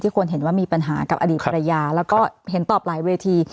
คนเห็นว่ามีปัญหากับอดีตภรรยาแล้วก็เห็นตอบหลายเวที